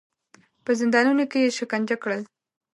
په زندانونو کې یې شکنجه کړل.